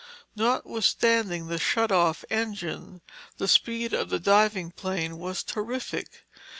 Notwithstanding the shut off engine, the speed of the diving plane was terrific.